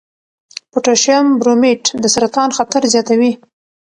پوټاشیم برومیټ د سرطان خطر زیاتوي.